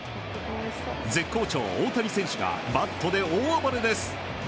絶好調・大谷選手がバットで大暴れです。